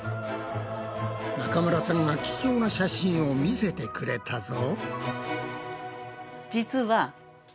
中村さんが貴重な写真を見せてくれたぞ！